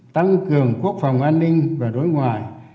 tăng cường quốc phòng an ninh và đối ngoại